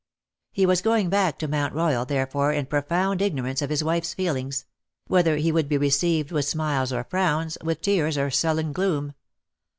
He was going back to Mount Royal therefore in profound ignorance of his wife's feelings — whether he would be received with smiles or frowns, with tears or sullen gloom.